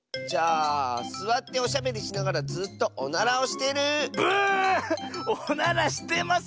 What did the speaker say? じゃあすわっておしゃべりしながらずっとおならをしてる！